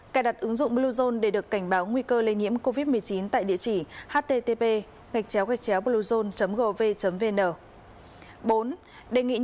bốn cài đặt ứng dụng bluezone để được cảnh báo nguy cơ lây nhiễm covid một mươi chín